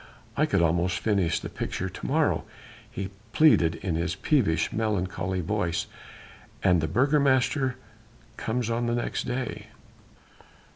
I could almost finish the picture to morrow," he pleaded in his peevish, melancholy voice, "and the Burgomaster comes on the next day."